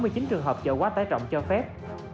và một trường hợp chạy quá tải cổng cho phép